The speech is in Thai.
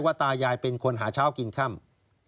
ตายายเป็นคนหาเช้ากินค่ำ